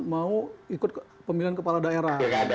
mau ikut pemilihan kepala daerah